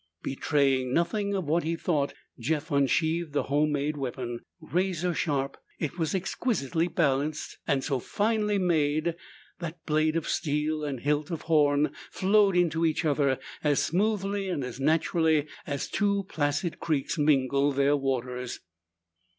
Betraying nothing of what he thought, Jeff unsheathed the homemade weapon. Razor sharp, it was exquisitely balanced and so finely made that blade of steel and hilt of horn flowed into each other as smoothly and as naturally as two placid creeks mingle their waters.